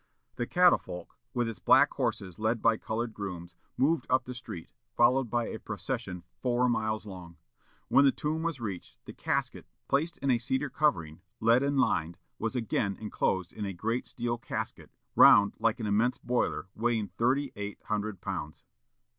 The catafalque, with its black horses led by colored grooms, moved up the street, followed by a procession four miles long. When the tomb was reached, the casket, placed in a cedar covering, leaden lined, was again enclosed in a great steel casket, round like an immense boiler, weighing thirty eight hundred pounds.